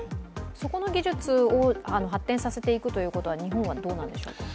そこの技術を発展させていくということは日本はどうなんでしょうか？